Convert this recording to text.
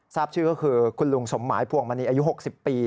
ทราบชื่อก็คือคุณลุงสมหมายพวงมณีอายุ๖๐ปี